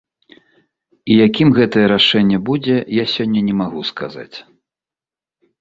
І якім гэтае рашэнне будзе, я сёння не магу сказаць.